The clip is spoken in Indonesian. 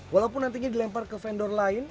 walaupun nantinya dilempar ke vendor lain